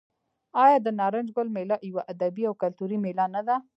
آیا د نارنج ګل میله یوه ادبي او کلتوري میله نه ده؟